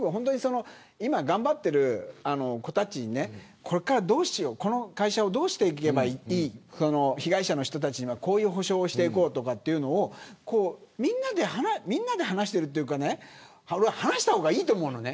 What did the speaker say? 今、頑張っている子たちにこれからどうしようこの会社をどうしていけばいい被害者の人にはこういう補償をしていこうとかみんなで話しているというか話した方がいいと思うのね。